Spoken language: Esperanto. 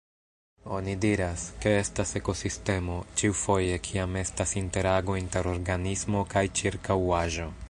Oni diras, ke estas ekosistemo, ĉiufoje kiam estas interago inter organismo kaj ĉirkaŭaĵo.